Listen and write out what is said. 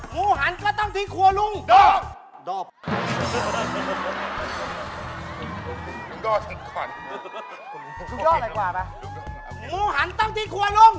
หมูหันต้องที่ครัวรุงร้อยโคอนดคุณหมูหันต้องที่ครัวรุง